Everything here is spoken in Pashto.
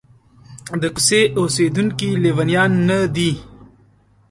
د کوڅې اوسېدونکي لېونیان نه دي.